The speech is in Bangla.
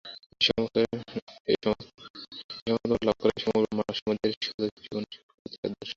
এই সমত্বভাব লাভ করাই সমগ্র সমাজের, সমুদয় জীবের ও সমগ্র প্রকৃতির আদর্শ।